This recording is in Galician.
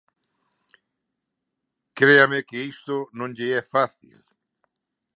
Créame que isto non lle é fácil.